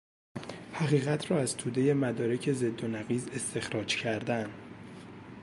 حقیقت را از تودهی مدارک ضد و نقیض استخراج کردن